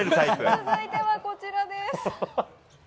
続いてはこちらです。